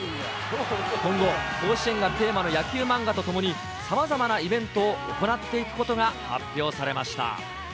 今後、甲子園がテーマの野球漫画とともに、さまざまなイベントを行っていくことが発表されました。